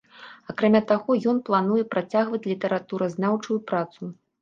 Акрамя таго, ён плануе працягваць літаратуразнаўчую працу.